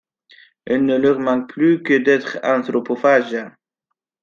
Il ne leur manque plus que d’être anthropophages !